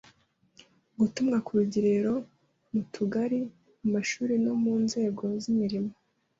Gutumwa ku rugerero mu tugari, mu mashuri no mu nzego z’imirimo.